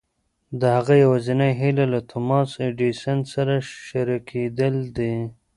د هغه يوازېنۍ هيله له توماس اې ايډېسن سره شريکېدل دي.